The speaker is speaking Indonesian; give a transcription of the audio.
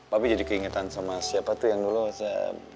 papi jadi keingetan sama siapa tuh yang dulu se